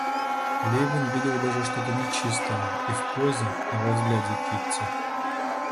Левин видел даже что-то нечистое и в позе и во взгляде Кити.